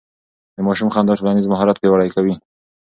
د ماشوم خندا ټولنيز مهارت پياوړی کوي.